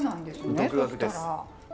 独学です。